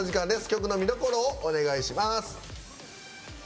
曲の見どころをお願いします。